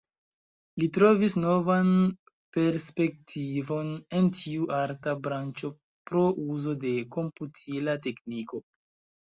Li trovis novan perspektivon en tiu arta branĉo pro uzo de komputila tekniko.